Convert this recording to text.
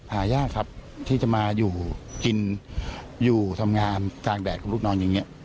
หายากครับที่จะมาอยู่กินอยู่ทำงานกลางแดดของลูกนอนอย่างนี้